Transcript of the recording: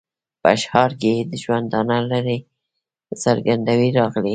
په اشعارو کې یې د ژوندانه لږې څرګندونې راغلې.